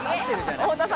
太田さん